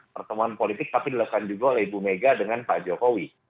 pertemuan politik tapi dilakukan juga oleh ibu mega dengan pak jokowi